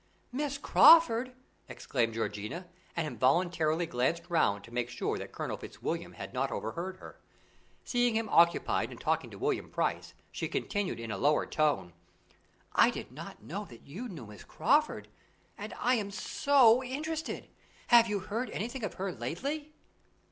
"Miss Crawford!" exclaimed Georgiana, and involuntarily glanced round to make sure that Colonel Fitzwilliam had not overheard her. Seeing him occupied in talking to William Price, she continued in a lower tone: "I did not know that you knew Miss Crawford, and I am so much interested. Have you heard anything of her lately?"